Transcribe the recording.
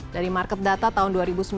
dari market data tahun dua ribu sembilan belas